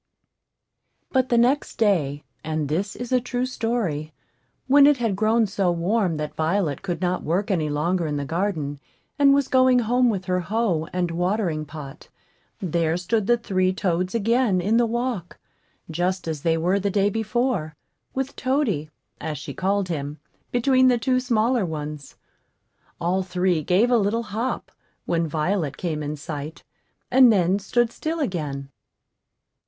But the next day, (and this is a true story,) when it had grown so warm that Violet could not work any longer in the garden, and was going home with her hoe and watering pot, there stood the three toads again in the walk, just as they were the day before, with Toady, as she called him, between the two smaller ones. All three gave a little hop when Violet came in sight, and then stood still again.